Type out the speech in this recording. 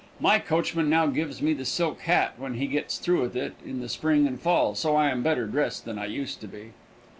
My coachman now gives me his silk hat when he gets through with it in the spring and fall, so I am better dressed than I used to be.